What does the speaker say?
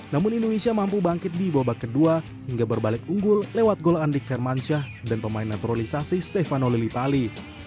namun indonesia mampu bangkit di babak kedua hingga berbalik unggul lewat gol andik vermansyah dan pemain naturalisasi stefano lilitali